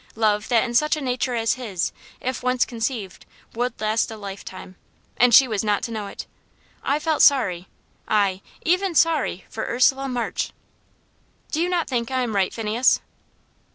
Love, that in such a nature as his, if once conceived, would last a lifetime. And she was not to know it! I felt sorry ay, even sorry for Ursula March. "Do you not think I am right, Phineas?"